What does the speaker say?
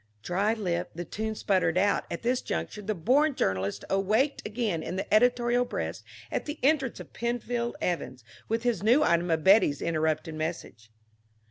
dry lipped, the tune sputtered out. At this juncture the born journalist awaked again in the editorial breast at the entrance of Penfield Evans with his new item of Betty's interrupted message.